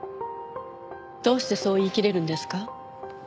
どうしてそう言いきれるんですか？